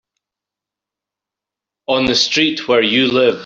On the street where you live.